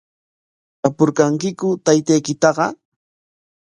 ¿Tapurqankiku taytaykitaqa?